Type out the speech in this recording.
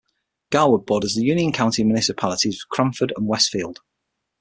Garwood borders the Union County municipalities of Cranford and Westfield.